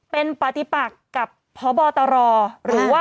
เป็นปฏิปักกับพบตรหรือว่า